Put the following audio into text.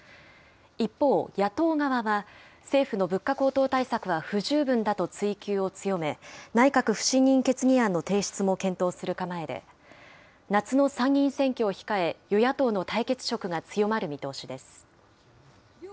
一方、野党側は、政府の物価高騰対策は不十分だと追及を強め、内閣不信任決議案の提出も検討する構えで、夏の参議院選挙を控え、与野党の対決色が強まる見通しです。